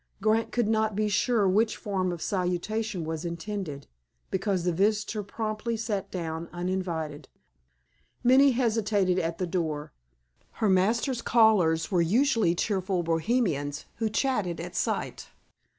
Grant could not be sure which form of salutation was intended, because the visitor promptly sat down, uninvited. Minnie hesitated at the door. Her master's callers were usually cheerful Bohemians, who chatted at sight.